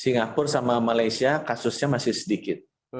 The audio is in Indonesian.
singapura sama malaysia kasusnya masih sedikit